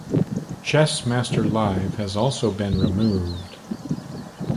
"Chessmaster Live" has also been removed.